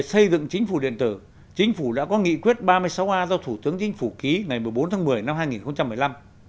xây dựng chính phủ điện tử chính phủ đã có nghị quyết ba mươi sáu a do thủ tướng chính phủ ký ngày một mươi bốn tháng một mươi năm hai nghìn một mươi năm